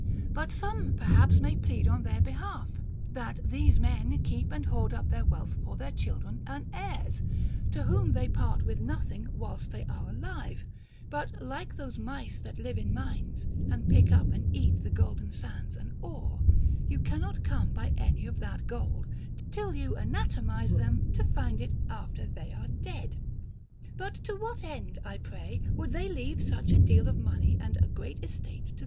7. But some perhaps may plead on their behalf, that these men keep and hoard up their wealth for their chil dren and heirs, — to whom they part with nothing whilst they are alive ; but, like those mice that live in mines and pick up and eat the golden sands and ore, you cannot come by any of that gold, till you anatomize them to find it after they are dead. But to what end, I pray, would they leave such a deal of money and a great estate to then.